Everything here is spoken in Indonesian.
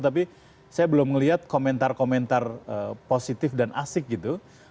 tapi saya belum melihat komentar komentar positif dan asik gitu